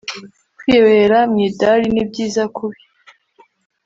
kwibera mwidari nibyiza kubi